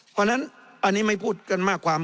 เพราะฉะนั้นอันนี้ไม่พูดกันมากกว่า